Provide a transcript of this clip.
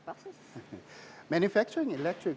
membuat bus elektrik